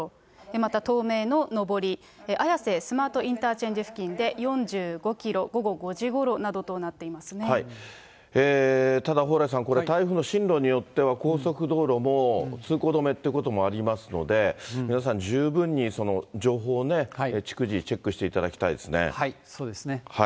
また東名の上り、綾瀬スマートインターチェンジ付近で４５キロ、午後５時ごろなどただ、蓬莱さんこれ、台風の進路によっては高速道路も通行止めってこともありますので、皆さん、十分に情報をね、逐次、そうですね。